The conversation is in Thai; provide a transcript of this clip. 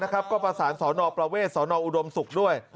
ก็ประสานสนประเวทสนอุดมศุกร์ด้วย